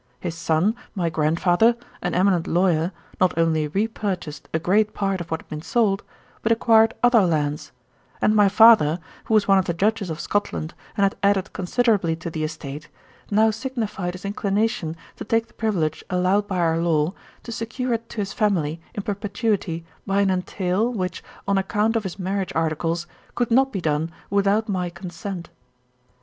His son, my grandfather, an eminent lawyer, not only re purchased a great part of what had been sold, but acquired other lands; and my father, who was one of the Judges of Scotland, and had added considerably to the estate, now signified his inclination to take the privilege allowed by our law, to secure it to his family in perpetuity by an entail, which, on account of his marriage articles, could not be done without my consent.